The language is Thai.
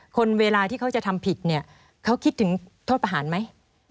คนเวลาที่เขาจะทำผิดเนี่ยเขาคิดถึงโทษประหารไหม